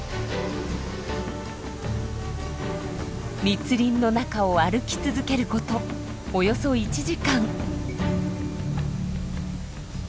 密林の中を歩き続けることおよそ１時間。